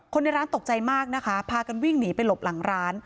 ในร้านตกใจมากนะคะพากันวิ่งหนีไปหลบหลังร้าน